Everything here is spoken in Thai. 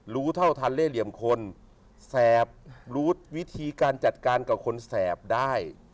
รู้เท่าทันเล่เหลี่ยมคนแสบรู้วิธีการจัดการกับคนแสบได้